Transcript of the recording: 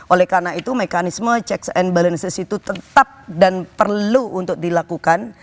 oleh karena itu mekanisme checks and balances itu tetap dan perlu untuk dilakukan